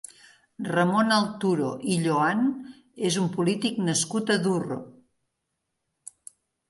Ramon Alturo i Lloan és un polític nascut a Durro.